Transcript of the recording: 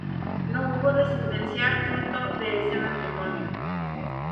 No hubo descendencia fruto de este matrimonio.